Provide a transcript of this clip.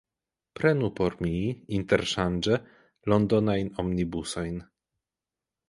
Prenu por mi, interŝanĝe, Londonajn Omnibusojn.